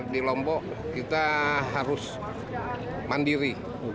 di lombok kita harus mandiri